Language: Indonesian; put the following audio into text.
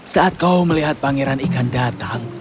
saat kau melihat pangeran ikan datang